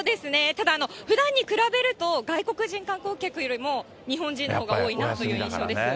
ただ、ふだんに比べると、外国人観光客よりも、日本人のほうが多いなという印象です。